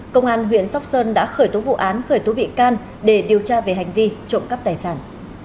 công an huyện sóc sơn đã khởi tố vụ án khởi tố bị can để điều tra về hành vi trộm cắp tài sản